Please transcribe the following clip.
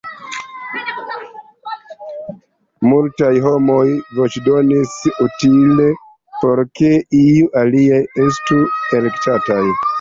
Multaj homoj voĉdonis "utile" por ke iuj aliaj estu elektataj.